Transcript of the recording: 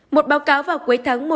một báo cáo vào cuối tháng một